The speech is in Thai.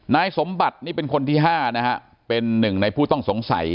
นายสมบัตินี่เป็นคนที่๕นะฮะเป็นหนึ่งในผู้ต้องสงสัย